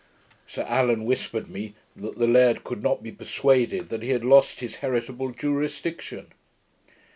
Sir Allan whispered me, that the laird could not be persuaded, that he had lost his heritable jurisdiction.